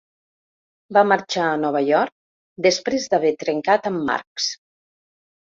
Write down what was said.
Va marxar a Nova York després d'haver trencat amb Marx.